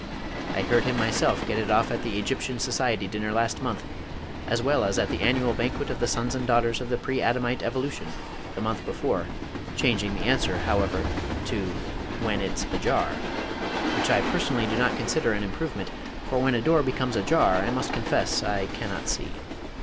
I heard him myself get it off at The Egyptian Society Dinner last month, as well as at the Annual Banquet of The Sons and Daughters of the Pre Adamite Evolution, the month before, changing the answer, however, to "when it's a jar" which I personally do not consider an improvement, for when a door becomes a jar I must confess I cannot see.